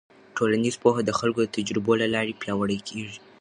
ټولنیز پوهه د خلکو د تجربو له لارې پیاوړې کېږي.